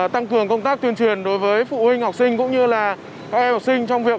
tăng cường công tác tuyên truyền đối với phụ huynh học sinh cũng như là các em học sinh trong việc